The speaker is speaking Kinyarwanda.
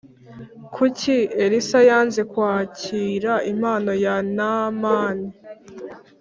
Kuki Elisa yanze kwakira impano ya Naamani